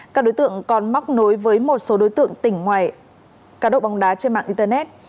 các đối tượng còn móc nối với một số đối tượng tỉnh ngoài cá độ bóng đá trên mạng internet